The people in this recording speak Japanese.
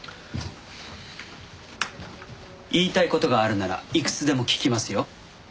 言いたい事があるならいくつでも聞きますよ。